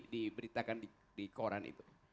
diberitakan di koran itu